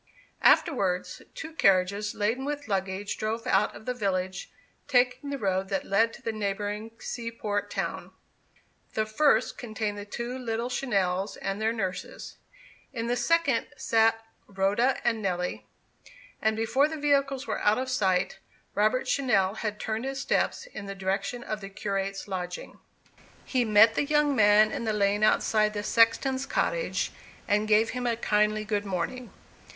Afterwards, two carriages laden with luggage drove out of the village, taking the road that led to the neighbouring seaport town. The first contained the two little Channells and their nurses; in the second sat Rhoda and Nelly. And before the vehicles were out of sight, Robert Channell had turned his steps in the direction of the curate's lodging. He met the young man in the lane outside the sexton's cottage, and gave him a kindly good morning.